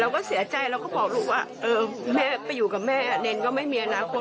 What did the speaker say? ก็เสียใจเราก็บอกลูกว่าเออแม่ไปอยู่กับแม่เนรก็ไม่มีอนาคต